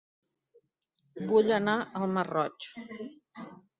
Vull anar a El Masroig